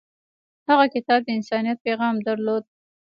هغه کتاب د انسانیت پیغام درلود.